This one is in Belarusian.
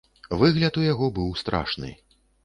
Выгляд у яго быў страшны.